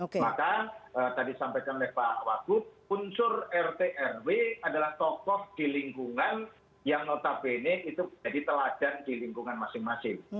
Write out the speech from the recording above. maka tadi sampaikan oleh pak wagub unsur rt rw adalah tokoh di lingkungan yang notabene itu jadi teladan di lingkungan masing masing